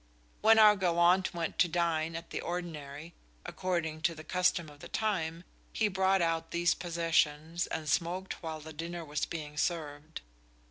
When our gallant went to dine at the ordinary, according to the custom of the time, he brought out these possessions, and smoked while the dinner was being served.